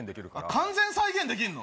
完全再現できんの？